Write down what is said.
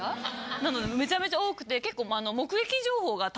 なのでめちゃくちゃ多くて結構。